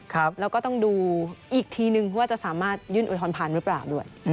แล้วก็ต้องดูอีกทีนึงว่าจะสามารถยื่นอุทธรณผ่านหรือเปล่าด้วย